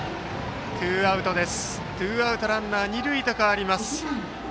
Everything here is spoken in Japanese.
ツーアウトランナー、二塁と変わります。